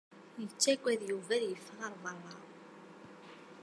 Yettagad Yuba ad yeffeɣ ɣer beṛṛa.